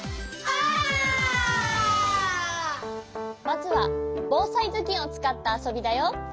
まずはぼうさいずきんをつかったあそびだよ。